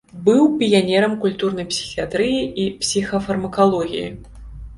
Быў піянерам культурнай псіхіятрыі і псіхафармакалогіі.